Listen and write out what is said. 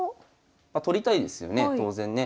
取りたいですよね当然ね。